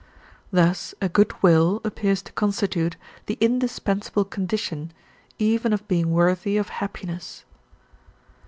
Thus a good will appears to constitute the indispensable condition even of being worthy of happiness.